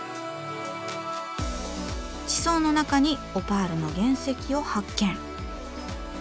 地層の中にオパールの原石を発見。